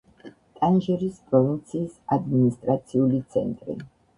ტანჟერის პროვინციის ადმინისტრაციული ცენტრი.